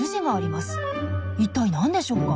一体何でしょうか？